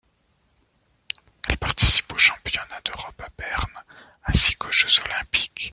Elle participe aux Championnats d'Europe à Berne, ainsi qu'aux Jeux olympiques.